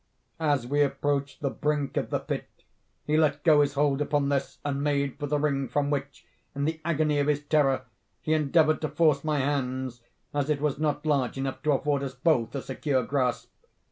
As we approached the brink of the pit he let go his hold upon this, and made for the ring, from which, in the agony of his terror, he endeavored to force my hands, as it was not large enough to afford us both a secure grasp.